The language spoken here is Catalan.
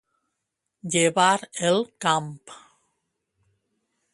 Llevar el camp.